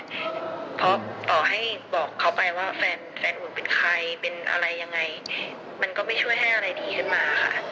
เพราะต่อให้บอกเขาไปว่าแฟนแฟนหนูเป็นใครเป็นอะไรยังไงมันก็ไม่ช่วยให้อะไรดีขึ้นมาค่ะ